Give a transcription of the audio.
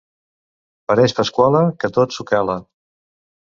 Pareix Pasquala, que tot s'ho cala.